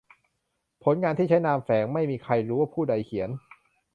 ผลงานที่ใช้นามแฝง : ไม่มีใครรู้ว่าผู้ใดเขียน